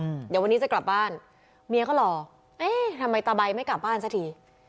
อืมเดี๋ยววันนี้จะกลับบ้านเมียก็รอเอ๊ะทำไมตาใบไม่กลับบ้านซะที